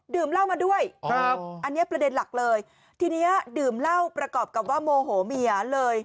เหล้ามาด้วยครับอันนี้ประเด็นหลักเลยทีนี้ดื่มเหล้าประกอบกับว่าโมโหเมียเลย